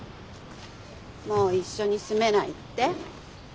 もう一緒に住めないって？